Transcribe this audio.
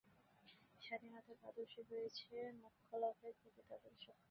স্বাধীনতার আদর্শই হইতেছে মোক্ষলাভের প্রকৃত আদর্শ।